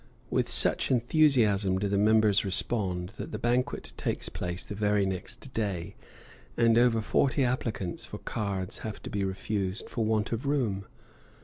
With such enthusiasm do the members respond that the banquet takes place the very next day, and over forty applicants for cards have to be refused for want of room.